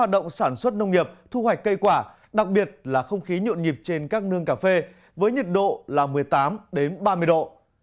sản xuất nông nghiệp thu hoạch cây quả đặc biệt là không khí nhộn nhịp trên các nương cà phê với nhiệt độ là một mươi tám ba mươi độ